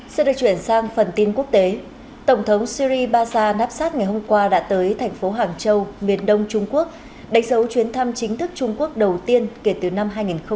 sẽ được chuyển sang phần tin quốc tế tổng thống siri bazaar napsat ngày hôm qua đã tới thành phố hàng châu miền đông trung quốc đánh dấu chuyến thăm chính thức trung quốc đầu tiên kể từ năm hai nghìn bốn